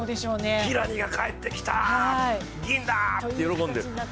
キラニが帰ってきた、銀だ！！って喜んでる。